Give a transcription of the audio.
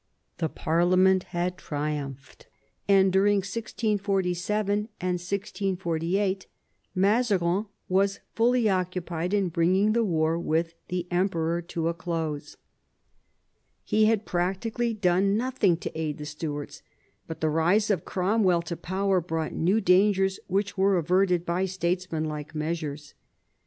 The parliament had triumphed, and during 1647 and 1648 Mazarin was fully occupied in bringing the war with the Emperor to a close. He had practically done nothing to aid the Stuarts, but the rise of Cromwell to power brought new dangers which were averted by statesmanlike measures.